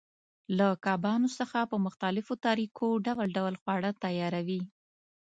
له کبانو څخه په مختلفو طریقو ډول ډول خواړه تیاروي.